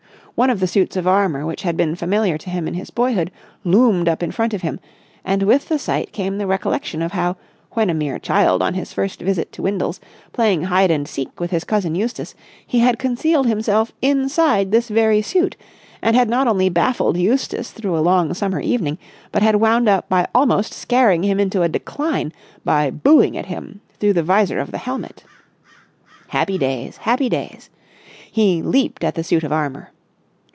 One of the suits of armour which had been familiar to him in his boyhood loomed up in front of him, and with the sight came the recollection of how, when a mere child on his first visit to Windles, playing hide and seek with his cousin Eustace, he had concealed himself inside this very suit, and had not only baffled Eustace through a long summer evening but had wound up by almost scaring him into a decline by booing at him through the vizor of the helmet. Happy days, happy days! He leaped at the suit of armour.